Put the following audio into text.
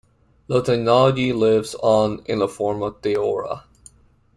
The technology lives on in the form of Theora.